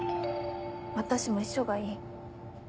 私も一緒がいい。